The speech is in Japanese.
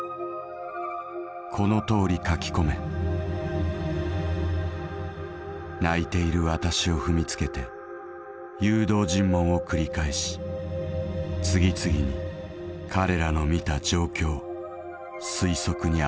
『このとおり書き込め』泣いている私を踏みつけて誘導尋問を繰り返し次々に彼らの見た状況推測にあわせていった」。